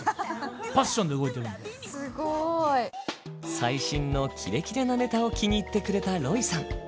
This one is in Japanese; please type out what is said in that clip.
最新のキレキレなネタを気に入ってくれたロイさん。